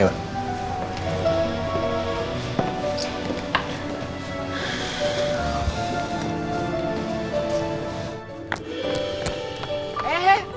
eh eh pagi rena